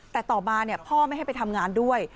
แต่ต่อมาพ่อไม่ให้ไปทำงานด้วย